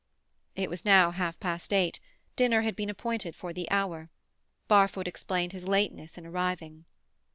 It was now half past eight; dinner had been appointed for the hour. Barfoot explained his lateness in arriving.